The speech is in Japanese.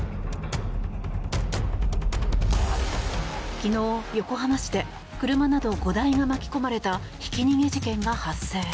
昨日、横浜市で車など５台が巻き込まれたひき逃げ事件が発生。